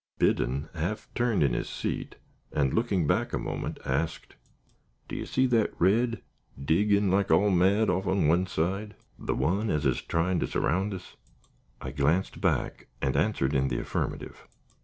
Biddon half turned in his seat, and, looking back a moment, asked: "Do you see that red, diggin' like all mad off on one side? The one as is tryin' to surround us?" I glanced back and answered in the affirmative.